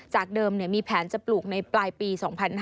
จากเดิมมีแผนจะปลูกในปลายปี๒๕๕๙